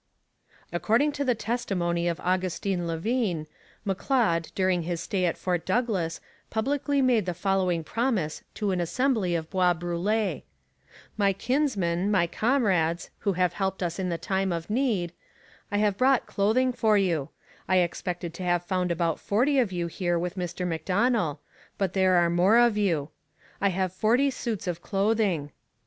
According to the testimony of Augustin Lavigne, M'Leod during his stay at Fort Douglas publicly made the following promise to an assembly of Bois Brûlés: 'My kinsmen, my comrades, who have helped us in the time of need; I have brought clothing for you I expected to have found about forty of you here with Mr Macdonell, but there are more of you. I have forty suits of clothing.